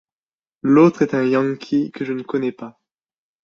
L’autre est un Yankee que je ne connais pas.